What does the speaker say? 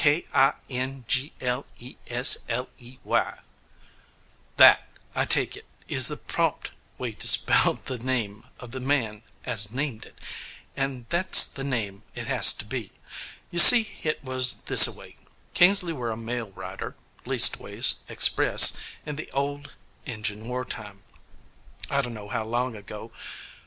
K i n g l e s l e y: that, I take it, is the prompt way to spell the name of the man as named it, and that's the name it has to have. You see hit was this a way: Kingsley were a mail rider leastways, express in the old Injun wartime, I dunno how long ago.